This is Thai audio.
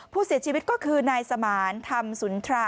ผู้เสียชีวิตก็คือนายสมานธรรมสุนทรา